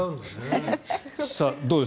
どうです？